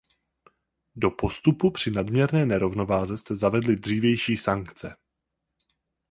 Do postupu při nadměrné nerovnováze jste zavedli dřívější sankce.